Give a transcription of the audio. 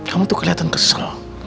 kamu tuh kelihatan kesel